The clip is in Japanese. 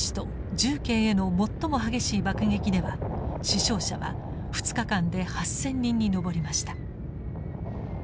重慶への最も激しい爆撃では死傷者は２日間で８，０００人に上りました。